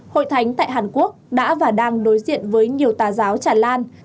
hội thánh tại hàn quốc đã và đang đối diện với nhiều tà giáo tràn lan